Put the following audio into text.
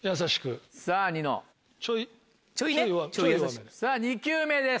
さぁ２球目です。